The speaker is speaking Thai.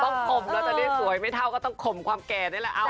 ต้องข่มแล้วจะได้สวยไม่เท่าก็ต้องข่มความแก่ได้แล้ว